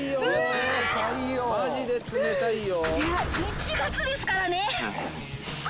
いや１月ですからね。